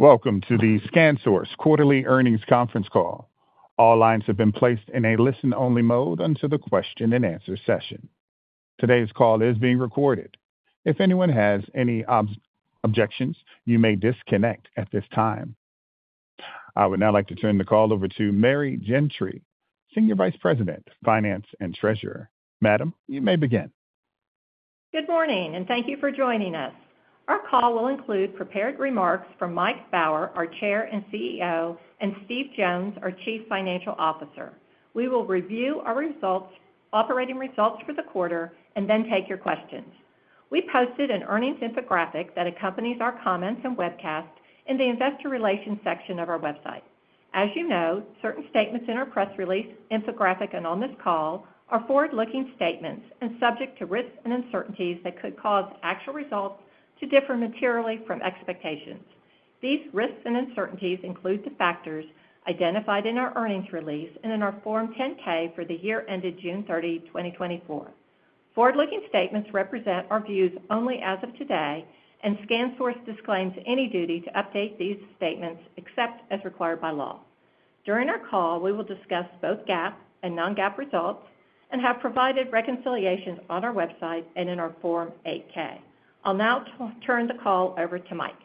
Welcome to the ScanSource Quarterly Earnings Conference Call. All lines have been placed in a listen-only mode until the question-and-answer session. Today's call is being recorded. If anyone has any objections, you may disconnect at this time. I would now like to turn the call over to Mary Gentry, Senior Vice President, Finance and Treasurer. Madam, you may begin. Good morning, and thank you for joining us. Our call will include prepared remarks from Mike Baur, our Chairman and CEO, and Steve Jones, our Chief Financial Officer. We will review our operating results for the quarter and then take your questions. We posted an earnings infographic that accompanies our comments and webcast in the investor relations section of our website. As you know, certain statements in our press release, infographic, and on this call are forward-looking statements and subject to risks and uncertainties that could cause actual results to differ materially from expectations. These risks and uncertainties include the factors identified in our earnings release and in our Form 10-K for the year ended June 30, 2024. Forward-looking statements represent our views only as of today, and ScanSource disclaims any duty to update these statements except as required by law. During our call, we will discuss both GAAP and non-GAAP results and have provided reconciliations on our website and in our Form 8-K. I'll now turn the call over to Mike.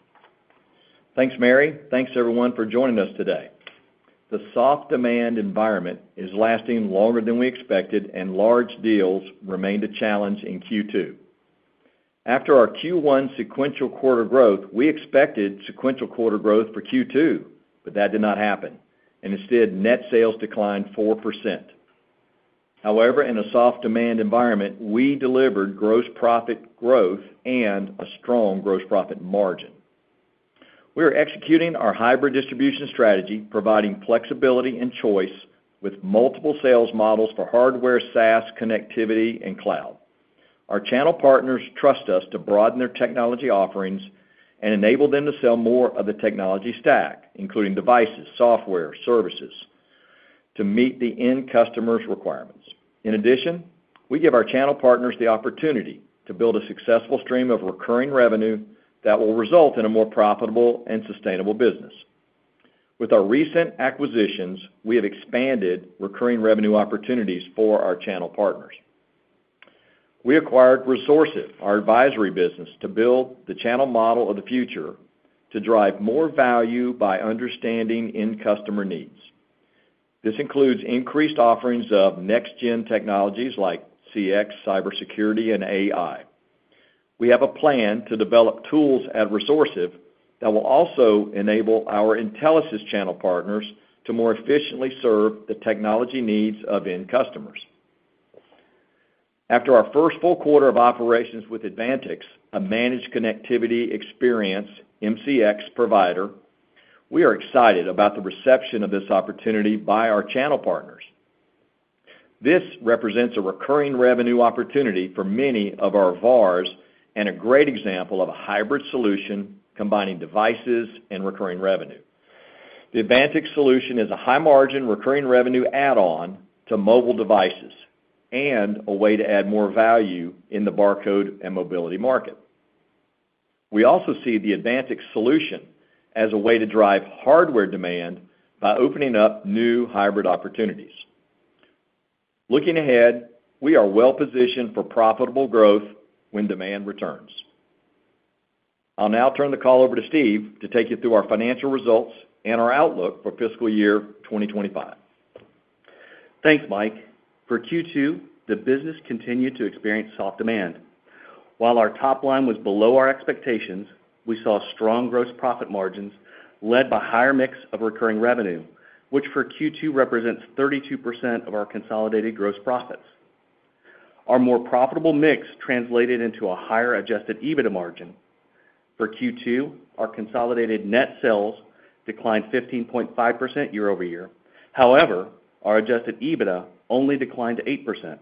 Thanks, Mary. Thanks, everyone, for joining us today. The soft demand environment is lasting longer than we expected, and large deals remained a challenge in Q2. After our Q1 sequential quarter growth, we expected sequential quarter growth for Q2, but that did not happen, and instead, net sales declined 4%. However, in a soft demand environment, we delivered gross profit growth and a strong gross profit margin. We are executing our hybrid distribution strategy, providing flexibility and choice with multiple sales models for hardware, SaaS, connectivity, and cloud. Our channel partners trust us to broaden their technology offerings and enable them to sell more of the technology stack, including devices, software, and services, to meet the end customer's requirements. In addition, we give our channel partners the opportunity to build a successful stream of recurring revenue that will result in a more profitable and sustainable business. With our recent acquisitions, we have expanded recurring revenue opportunities for our channel partners. We acquired Resourcive, our advisory business, to build the channel model of the future to drive more value by understanding end customer needs. This includes increased offerings of next-gen technologies like CX, cybersecurity, and AI. We have a plan to develop tools at Resourcive that will also enable our Intelisys channel partners to more efficiently serve the technology needs of end customers. After our first full quarter of operations with Advantix, a Managed Connectivity Experience (MCX) provider, we are excited about the reception of this opportunity by our channel partners. This represents a recurring revenue opportunity for many of our VARs and a great example of a hybrid solution combining devices and recurring revenue. The Advantix solution is a high-margin recurring revenue add-on to mobile devices and a way to add more value in the barcode and mobility market. We also see the Advantix solution as a way to drive hardware demand by opening up new hybrid opportunities. Looking ahead, we are well-positioned for profitable growth when demand returns. I'll now turn the call over to Steve to take you through our financial results and our outlook for fiscal year 2025. Thanks, Mike. For Q2, the business continued to experience soft demand. While our top line was below our expectations, we saw strong gross profit margins led by a higher mix of recurring revenue, which for Q2 represents 32% of our consolidated gross profits. Our more profitable mix translated into a higher Adjusted EBITDA margin. For Q2, our consolidated net sales declined 15.5% year-over-year. However, our Adjusted EBITDA only declined 8%.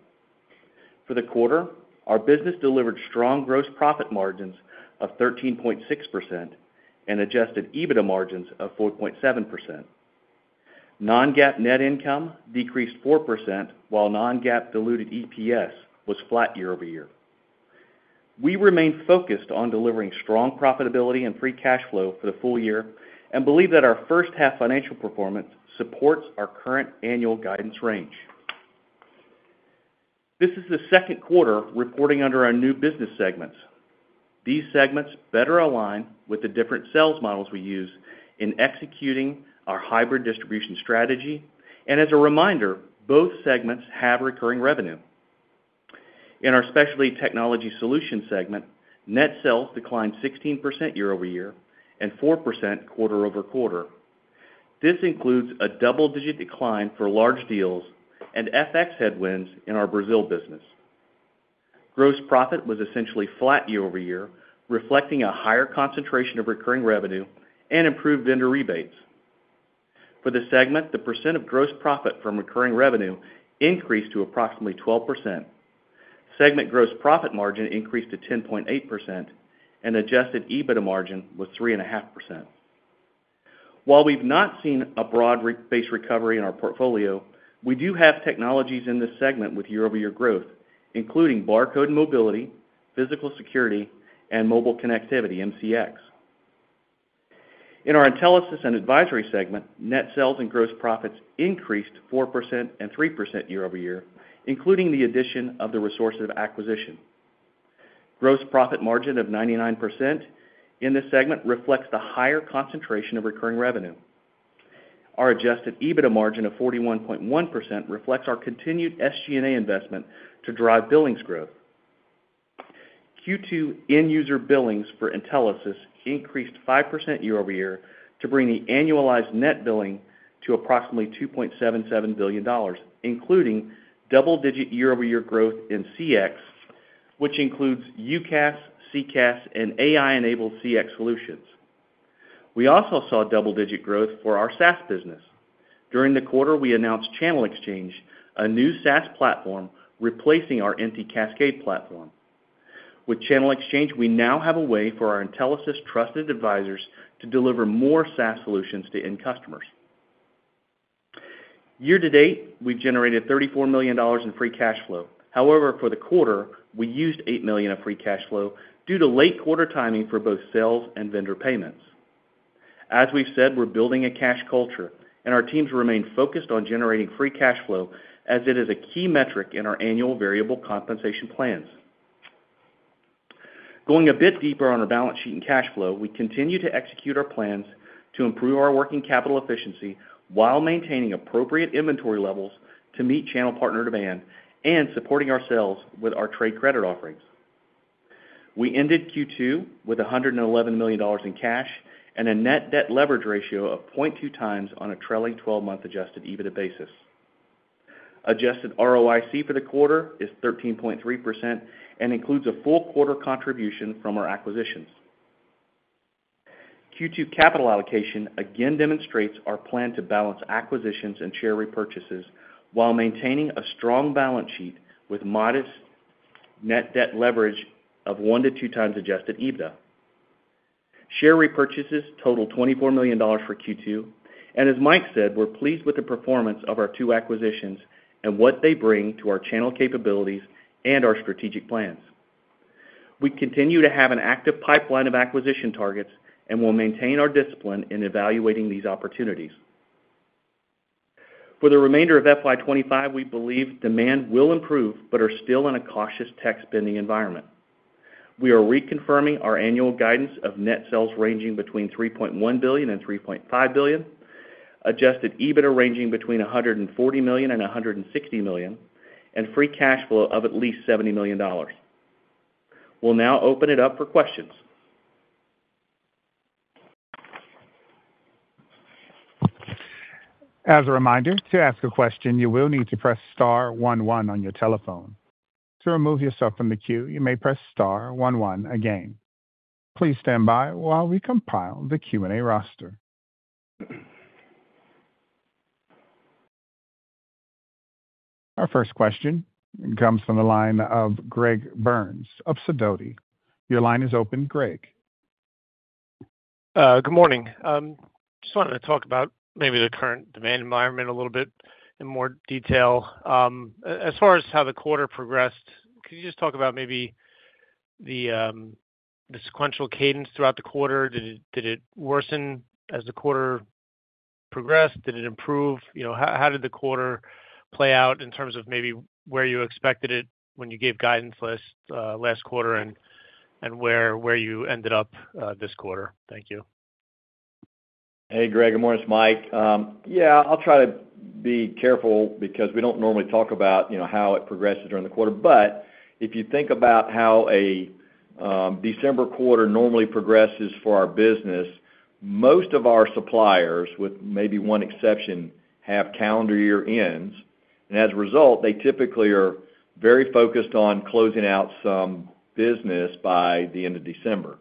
For the quarter, our business delivered strong gross profit margins of 13.6% and Adjusted EBITDA margins of 4.7%. Non-GAAP net income decreased 4%, while Non-GAAP diluted EPS was flat year-over-year. We remain focused on delivering strong profitability and Free Cash Flow for the full year and believe that our first-half financial performance supports our current annual guidance range. This is the second quarter reporting under our new business segments. These segments better align with the different sales models we use in executing our hybrid distribution strategy. And as a reminder, both segments have recurring revenue. In our Specialty Technology Solutions segment, net sales declined 16% year-over-year and 4% quarter over quarter. This includes a double-digit decline for large deals and FX headwinds in our Brazil business. Gross profit was essentially flat year-over-year, reflecting a higher concentration of recurring revenue and improved vendor rebates. For the segment, the percent of gross profit from recurring revenue increased to approximately 12%. Segment gross profit margin increased to 10.8%, and Adjusted EBITDA margin was 3.5%. While we've not seen a broad-based recovery in our portfolio, we do have technologies in this segment with year-over-year growth, including barcode and mobility, physical security, and mobile connectivity (MCX). In our Intelisys and advisory segment, net sales and gross profits increased 4% and 3% year-over-year, including the addition of the Resourcive acquisition. Gross profit margin of 99% in this segment reflects the higher concentration of recurring revenue. Our Adjusted EBITDA margin of 41.1% reflects our continued SG&A investment to drive billings growth. Q2 end-user billings for Intelisys increased 5% year-over-year to bring the annualized net billing to approximately $2.77 billion, including double-digit year-over-year growth in CX, which includes UCaaS, CCaaS, and AI-enabled CX solutions. We also saw double-digit growth for our SaaS business. During the quarter, we announced Channel Exchange, a new SaaS platform replacing our legacy Cascade platform. With Channel Exchange, we now have a way for our Intelisys trusted advisors to deliver more SaaS solutions to end customers. Year to date, we've generated $34 million in free cash flow. However, for the quarter, we used $8 million of Free Cash Flow due to late quarter timing for both sales and vendor payments. As we've said, we're building a cash culture, and our teams remain focused on generating Free Cash Flow as it is a key metric in our annual variable compensation plans. Going a bit deeper on our balance sheet and cash flow, we continue to execute our plans to improve our working capital efficiency while maintaining appropriate inventory levels to meet channel partner demand and supporting ourselves with our trade credit offerings. We ended Q2 with $111 million in cash and a net debt leverage ratio of 0.2 times on a trailing 12-month Adjusted EBITDA basis. Adjusted ROIC for the quarter is 13.3% and includes a full quarter contribution from our acquisitions. Q2 capital allocation again demonstrates our plan to balance acquisitions and share repurchases while maintaining a strong balance sheet with modest net debt leverage of one to two times Adjusted EBITDA. Share repurchases totaled $24 million for Q2. And as Mike said, we're pleased with the performance of our two acquisitions and what they bring to our channel capabilities and our strategic plans. We continue to have an active pipeline of acquisition targets and will maintain our discipline in evaluating these opportunities. For the remainder of FY25, we believe demand will improve but are still in a cautious tech spending environment. We are reconfirming our annual guidance of net sales ranging between $3.1 billion and $3.5 billion, Adjusted EBITDA ranging between $140 million and $160 million, and Free Cash Flow of at least $70 million. We'll now open it up for questions. As a reminder, to ask a question, you will need to press star one one on your telephone. To remove yourself from the queue, you may press star one one again. Please stand by while we compile the Q&A roster. Our first question comes from the line of Greg Burns of Sidoti. Your line is open, Greg. Good morning. I just wanted to talk about maybe the current demand environment a little bit in more detail. As far as how the quarter progressed, could you just talk about maybe the sequential cadence throughout the quarter? Did it worsen as the quarter progressed? Did it improve? How did the quarter play out in terms of maybe where you expected it when you gave guidance last quarter and where you ended up this quarter? Thank you. Hey, Greg. Good morning. It's Mike. Yeah, I'll try to be careful because we don't normally talk about how it progresses during the quarter. But if you think about how a December quarter normally progresses for our business, most of our suppliers, with maybe one exception, have calendar year ends. And as a result, they typically are very focused on closing out some business by the end of December.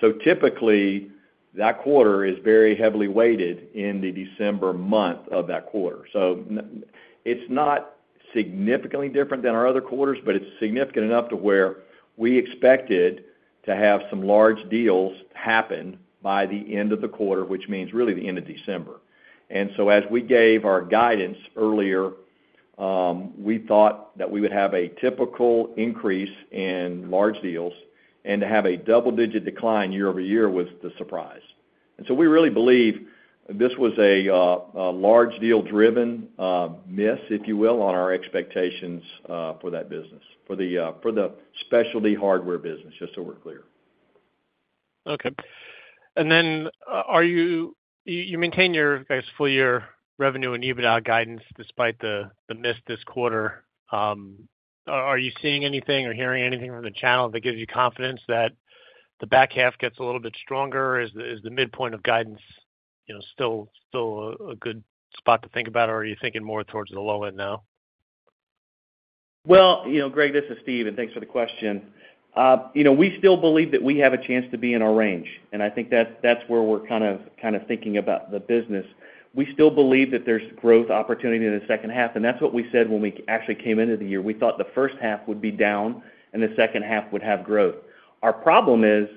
So typically, that quarter is very heavily weighted in the December month of that quarter. So it's not significantly different than our other quarters, but it's significant enough to where we expected to have some large deals happen by the end of the quarter, which means really the end of December. And so as we gave our guidance earlier, we thought that we would have a typical increase in large deals, and to have a double-digit decline year-over-year was the surprise. And so we really believe this was a large deal-driven miss, if you will, on our expectations for that business, for the specialty hardware business, just so we're clear. Okay, and then you maintain your full-year revenue and EBITDA guidance despite the miss this quarter. Are you seeing anything or hearing anything from the channel that gives you confidence that the back half gets a little bit stronger? Is the midpoint of guidance still a good spot to think about, or are you thinking more towards the low end now? Greg, this is Steve, and thanks for the question. We still believe that we have a chance to be in our range, and I think that's where we're kind of thinking about the business. We still believe that there's growth opportunity in the second half, and that's what we said when we actually came into the year. We thought the first half would be down and the second half would have growth. Our problem is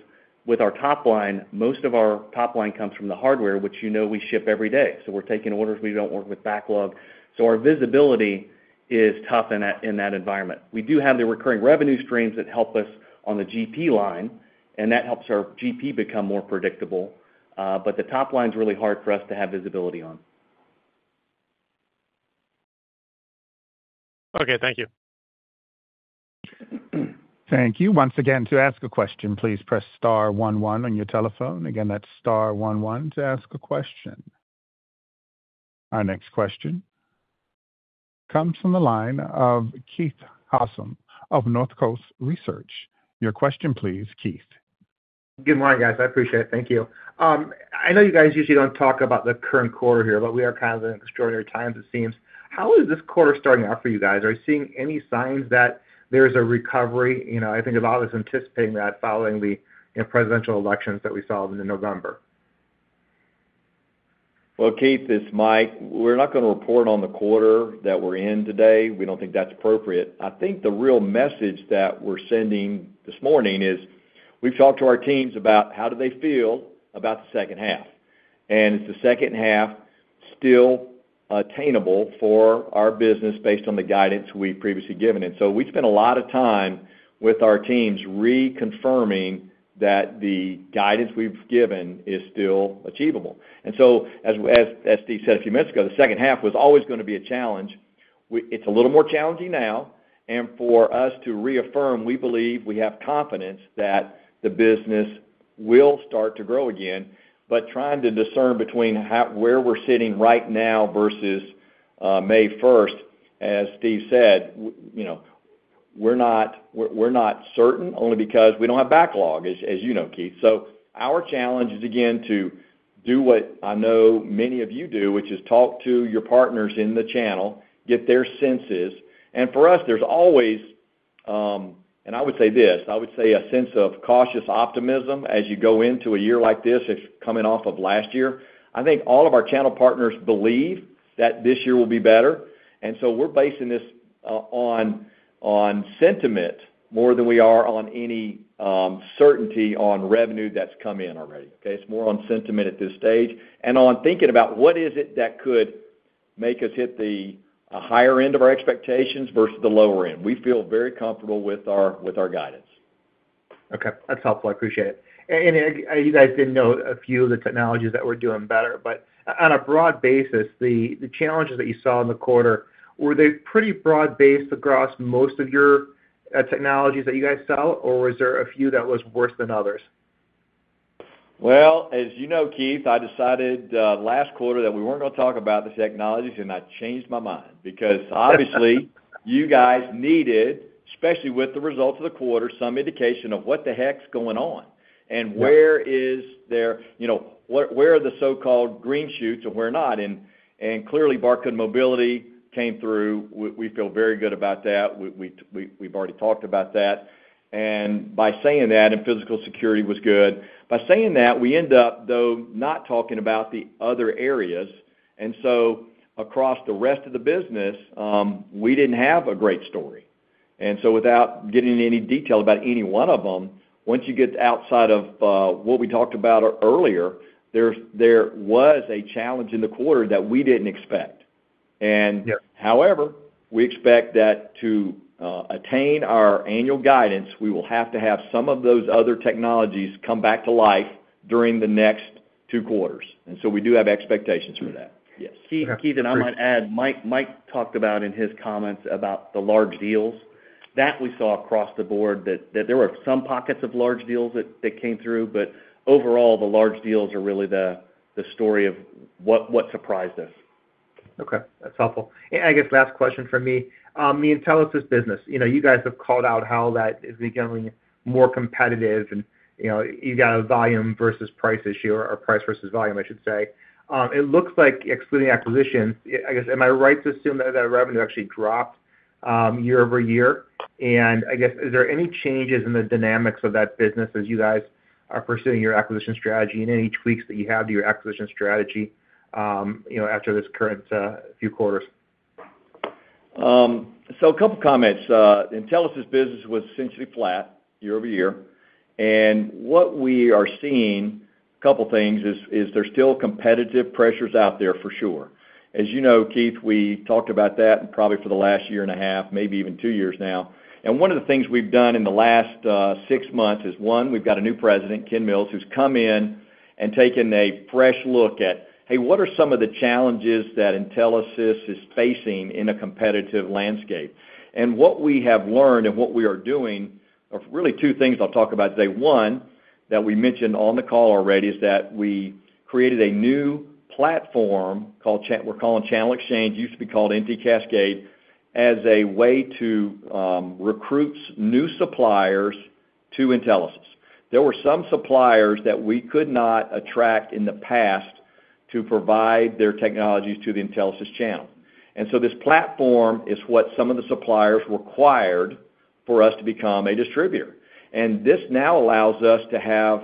with our top line. Most of our top line comes from the hardware, which you know we ship every day. So we're taking orders. We don't work with backlog. So our visibility is tough in that environment. We do have the recurring revenue streams that help us on the GP line, and that helps our GP become more predictable. But the top line's really hard for us to have visibility on. Okay. Thank you. Thank you. Once again, to ask a question, please press star one one on your telephone. Again, that's star one one to ask a question. Our next question comes from the line of Keith Housum of North Coast Research. Your question, please, Keith. Good morning, guys. I appreciate it. Thank you. I know you guys usually don't talk about the current quarter here, but we are kind of in extraordinary times, it seems. How is this quarter starting out for you guys? Are you seeing any signs that there's a recovery? I think a lot of us are anticipating that following the presidential elections that we saw in November. Keith, this is Mike. We're not going to report on the quarter that we're in today. We don't think that's appropriate. I think the real message that we're sending this morning is we've talked to our teams about how do they feel about the second half. And is the second half still attainable for our business based on the guidance we've previously given? And so we spent a lot of time with our teams reconfirming that the guidance we've given is still achievable. And so as Steve said a few minutes ago, the second half was always going to be a challenge. It's a little more challenging now. And for us to reaffirm, we believe we have confidence that the business will start to grow again. But trying to discern between where we're sitting right now versus May 1st, as Steve said, we're not certain only because we don't have backlog, as you know, Keith. So our challenge is, again, to do what I know many of you do, which is talk to your partners in the channel, get their senses. And for us, there's always, and I would say this, I would say a sense of cautious optimism as you go into a year like this, coming off of last year. I think all of our channel partners believe that this year will be better. And so we're basing this on sentiment more than we are on any certainty on revenue that's come in already. Okay? It's more on sentiment at this stage and on thinking about what is it that could make us hit the higher end of our expectations versus the lower end. We feel very comfortable with our guidance. Okay. That's helpful. I appreciate it, and you guys didn't know a few of the technologies that we're doing better, but on a broad basis, the challenges that you saw in the quarter, were they pretty broad-based across most of your technologies that you guys sell, or was there a few that was worse than others? As you know, Keith, I decided last quarter that we weren't going to talk about the technologies, and I changed my mind because obviously you guys needed, especially with the results of the quarter, some indication of what the heck's going on and where are the so-called green shoots and where not. Clearly, barcode mobility came through. We feel very good about that. We've already talked about that. By saying that, physical security was good. By saying that, we end up, though, not talking about the other areas. Across the rest of the business, we didn't have a great story. Without getting into any detail about any one of them, once you get outside of what we talked about earlier, there was a challenge in the quarter that we didn't expect. And however, we expect that, to attain our annual guidance, we will have to have some of those other technologies come back to life during the next two quarters. And so we do have expectations for that. Yes. Keith, and I might add, Mike talked about in his comments about the large deals. That we saw across the board that there were some pockets of large deals that came through. But overall, the large deals are really the story of what surprised us. Okay. That's helpful. And I guess last question for me, the Intelisys business. You guys have called out how that is becoming more competitive, and you got a volume versus price issue or price versus volume, I should say. It looks like excluding acquisitions, I guess, am I right to assume that revenue actually dropped year-over-year? And I guess, is there any changes in the dynamics of that business as you guys are pursuing your acquisition strategy and any tweaks that you have to your acquisition strategy after this current few quarters? A couple of comments. The Intelisys business was essentially flat year-over-year. And what we are seeing, a couple of things, is there's still competitive pressures out there for sure. As you know, Keith, we talked about that probably for the last year and a half, maybe even two years now. And one of the things we've done in the last six months is, one, we've got a new president, Ken Mills, who's come in and taken a fresh look at, "Hey, what are some of the challenges that Intelisys is facing in a competitive landscape?" And what we have learned and what we are doing are really two things I'll talk about today. One, that we mentioned on the call already is that we created a new platform called we're calling Channel Exchange. It used to be called Cascade as a way to recruit new suppliers to Intelisys. There were some suppliers that we could not attract in the past to provide their technologies to the Intelisys channel. And so this platform is what some of the suppliers required for us to become a distributor. And this now allows us to have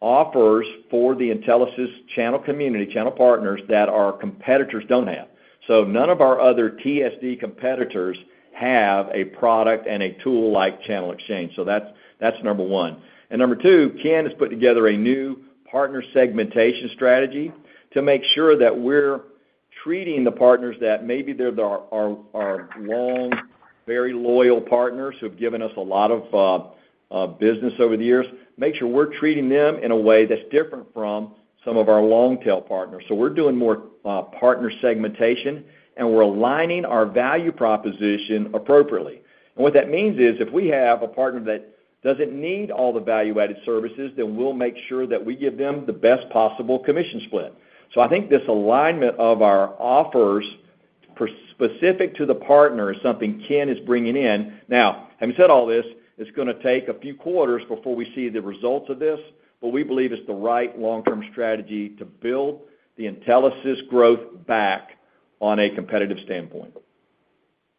offers for the Intelisys channel community, channel partners that our competitors don't have. So none of our other TSD competitors have a product and a tool like Channel Exchange. So that's number one. And number two, Ken has put together a new partner segmentation strategy to make sure that we're treating the partners that maybe there are long, very loyal partners who have given us a lot of business over the years. Make sure we're treating them in a way that's different from some of our long-tail partners. So we're doing more partner segmentation, and we're aligning our value proposition appropriately. And what that means is if we have a partner that doesn't need all the value-added services, then we'll make sure that we give them the best possible commission split. So I think this alignment of our offers specific to the partner is something Ken is bringing in. Now, having said all this, it's going to take a few quarters before we see the results of this, but we believe it's the right long-term strategy to build the Intelisys growth back on a competitive standpoint.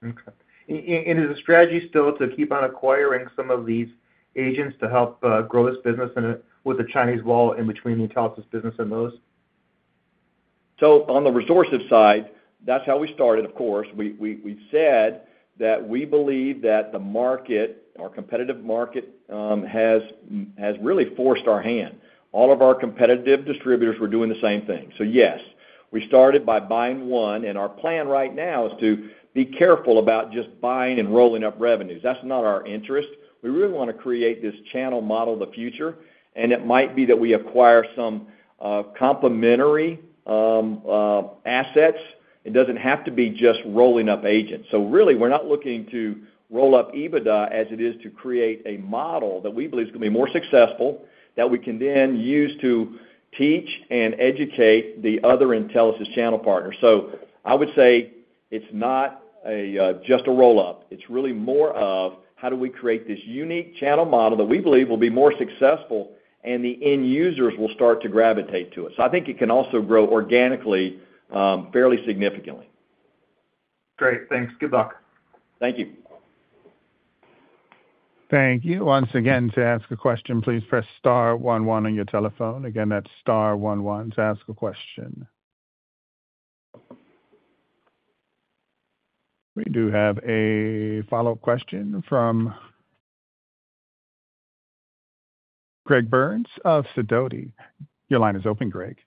Okay, and is the strategy still to keep on acquiring some of these agents to help grow this business with the Chinese wall in between the Intelisys business and those? So on the Resourcive side, that's how we started, of course. We said that we believe that the market, our competitive market, has really forced our hand. All of our competitive distributors were doing the same thing. So yes, we started by buying one. And our plan right now is to be careful about just buying and rolling up revenues. That's not our interest. We really want to create this channel model of the future. And it might be that we acquire some complementary assets. It doesn't have to be just rolling up agents. So really, we're not looking to roll up EBITDA as it is to create a model that we believe is going to be more successful that we can then use to teach and educate the other Intelisys channel partners. So I would say it's not just a roll-up. It's really more of how do we create this unique channel model that we believe will be more successful and the end users will start to gravitate to it. So I think it can also grow organically fairly significantly. Great. Thanks. Good luck. Thank you. Thank you. Once again, to ask a question, please press star one one on your telephone. Again, that's star one one to ask a question. We do have a follow-up question from Greg Burns of Sidoti. Your line is open, Greg.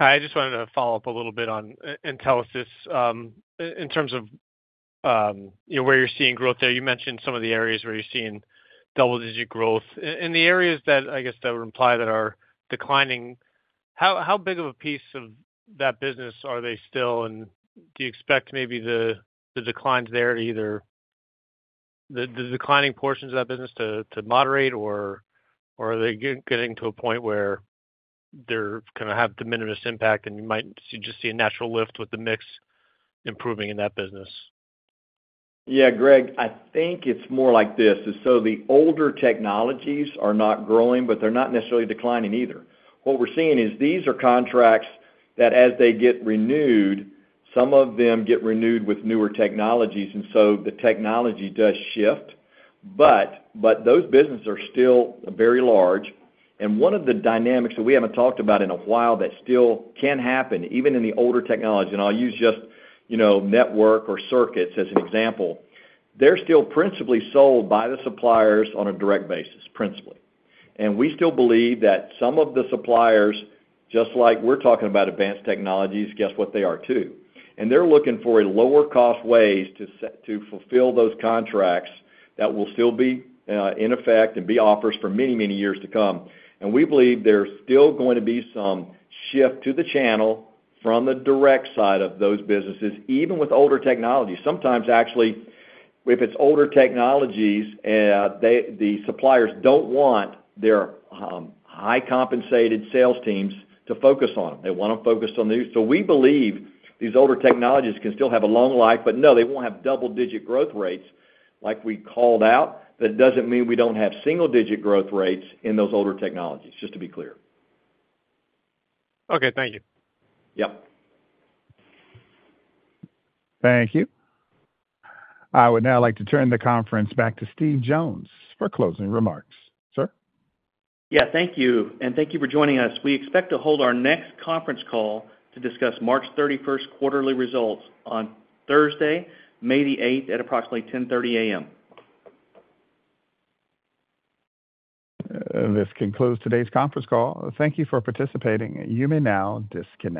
Hi. I just wanted to follow up a little bit on Intelisys. In terms of where you're seeing growth there, you mentioned some of the areas where you're seeing double-digit growth. In the areas that I guess that would imply that are declining, how big of a piece of that business are they still? And do you expect maybe the declines there to either the declining portions of that business to moderate, or are they getting to a point where they're going to have the minimal impact and you might just see a natural lift with the mix improving in that business? Yeah, Greg, I think it's more like this. So the older technologies are not growing, but they're not necessarily declining either. What we're seeing is these are contracts that as they get renewed, some of them get renewed with newer technologies. And so the technology does shift. But those businesses are still very large. And one of the dynamics that we haven't talked about in a while that still can happen even in the older technology, and I'll use just network or circuits as an example, they're still principally sold by the suppliers on a direct basis, principally. And we still believe that some of the suppliers, just like we're talking about advanced technologies, guess what they are too. And they're looking for lower-cost ways to fulfill those contracts that will still be in effect and be offers for many, many years to come. And we believe there's still going to be some shift to the channel from the direct side of those businesses, even with older technologies. Sometimes, actually, if it's older technologies, the suppliers don't want their high-compensated sales teams to focus on them. They want them focused on the new. So we believe these older technologies can still have a long life, but no, they won't have double-digit growth rates like we called out. But it doesn't mean we don't have single-digit growth rates in those older technologies, just to be clear. Okay. Thank you. Yep. Thank you. I would now like to turn the conference back to Steve Jones for closing remarks. Sir? Yeah. Thank you. And thank you for joining us. We expect to hold our next conference call to discuss March 31st quarterly results on Thursday, May the 8th at approximately 10:30 A.M. This concludes today's conference call. Thank you for participating. You may now disconnect.